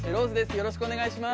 よろしくお願いします。